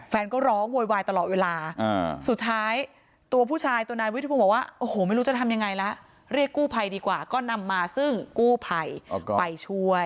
ก็ร้องโวยวายตลอดเวลาสุดท้ายตัวผู้ชายตัวนายวิทพงศ์บอกว่าโอ้โหไม่รู้จะทำยังไงละเรียกกู้ภัยดีกว่าก็นำมาซึ่งกู้ภัยไปช่วย